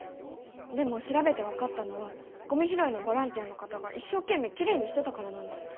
でも調べて分かったのはゴミ拾いのボランティアの方が一生懸命きれいにしてたからなんです。